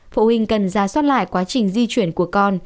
phụ huynh cần ra soát lại quá trình di chuyển của con